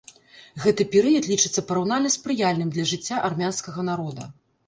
Гэты перыяд лічыцца параўнальна спрыяльным для жыцця армянскага народа.